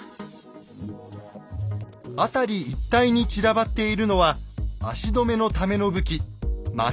辺り一帯に散らばっているのは足止めのための武器ま